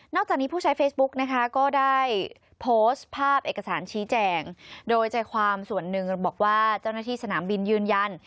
จากนี้ผู้ใช้เฟซบุ๊กนะคะก็ได้โพสต์ภาพเอกสารชี้แจงโดยใจความส่วนหนึ่งบอกว่าเจ้าหน้าที่สนามบินยืนยัน